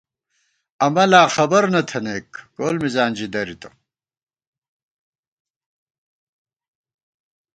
امہ لا خبر نہ تھنئیک ، کول مِزان ژی درِتہ